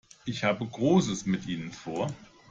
Ich habe Großes mit Ihnen vor.